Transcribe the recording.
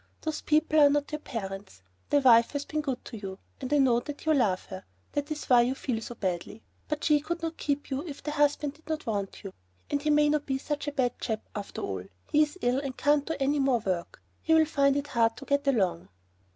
Those people are not your parents; the wife has been good to you and I know that you love her, that is why you feel so badly. But she could not keep you if the husband did not want you. And he may not be such a bad chap after all; he is ill and can't do any more work. He'll find it hard to get along...."